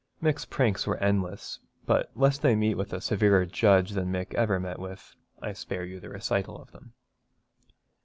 Mick's pranks were endless, but lest they meet with a severer judge than Mick ever met with, I spare you the recital of them.